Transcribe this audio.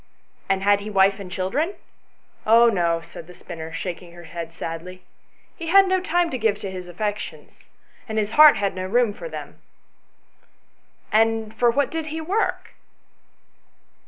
"And had he wife and children ?"" Oh no," said the spinner, shaking her head sadly ;" he had no time to give to his affections, and his heart had no room for them." "And for what did he work